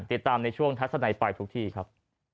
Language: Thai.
ติดตามในช่วงทัศนัยไปทุกที่ครับ